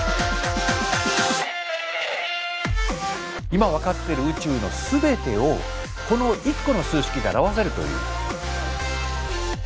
今分かってる宇宙のすべてをこの１個の数式で表せるという。